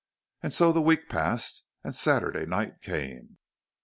And so the week passed, and Saturday night came.